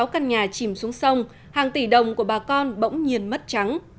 một mươi sáu căn nhà chìm xuống sông hàng tỷ đồng của bà con bỗng nhiên mất trắng